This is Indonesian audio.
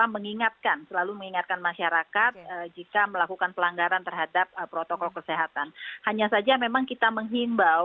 mengingatkan selalu mengingatkan masyarakat jika melakukan pelanggaran terhadap protokol kesehatan hanya saja memang kita menghimbau